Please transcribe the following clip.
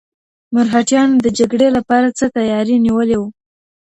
مرهټيانو د جګړې لپاره څه تیاری نیولی و؟